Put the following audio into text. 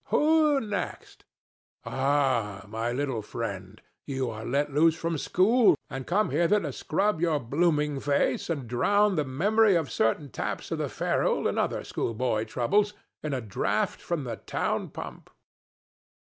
—Who next?—Oh, my little friend, you are let loose from school and come hither to scrub your blooming face and drown the memory of certain taps of the ferule, and other schoolboy troubles, in a draught from the town pump?